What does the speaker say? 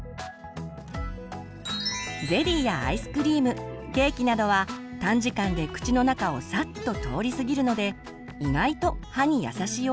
ゼリーやアイスクリームケーキなどは短時間で口の中をさっと通り過ぎるので意外と歯に優しいおやつです。